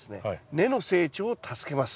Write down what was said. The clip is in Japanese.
根の成長を助けます。